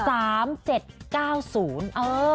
สามเจ็ดเก้าศูนย์เออ